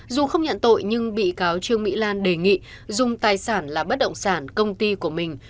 dù không nhận tội nhưng bị cáo trương mỹ lan đề nghị dùng tài sản là bất động sản công ty của mình